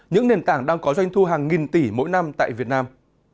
những nền tảng đang có doanh thu hàng nghìn tỷ mỗi năm tại việt nam